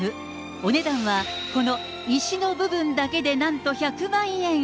お値段はこの石の部分だけでなんと１００万円。